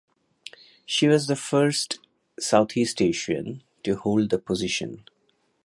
She was the first Southeast Asian to hold the position.